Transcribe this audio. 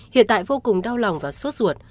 hiện tại vô cùng đau lòng và suốt ruột